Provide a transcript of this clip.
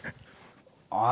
ああ